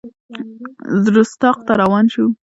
رُستاق ته روان شو.